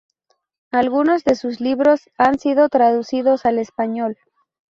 Algunos de sus libros han sido traducidos al español.